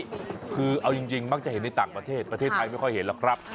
คือเอาจริงมักจะเห็นในต่างประเทศประเทศไทยไม่ค่อยเห็นหรอกครับ